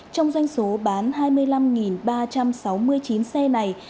trong doanh số bán hai mươi năm ba trăm sáu mươi chín xe này